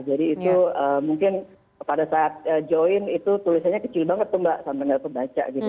jadi itu mungkin pada saat join itu tulisannya kecil banget tuh mbak sampai nggak kebaca gitu